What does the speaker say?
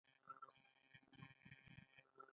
ګندهارا د اوسني ننګرهار شاوخوا سیمه وه